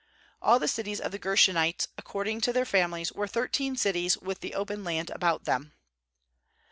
^All the cities of the Gershonites according to their families were thirteen cities with the open land about them.